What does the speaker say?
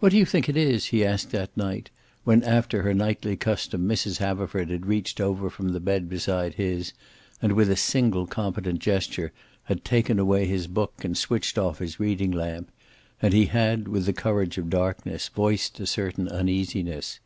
"What do you think it is?" he asked that night, when after her nightly custom Mrs. Haverford had reached over from the bed beside his and with a single competent gesture had taken away his book and switched off his reading lamp, and he had, with the courage of darkness, voiced a certain uneasiness.